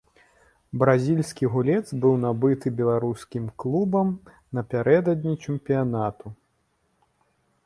Бразільскі гулец быў набыты беларускім клубам напярэдадні чэмпіянату.